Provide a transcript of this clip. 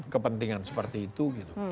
kepentingan seperti itu